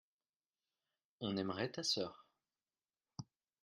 on aimerait ta sœur.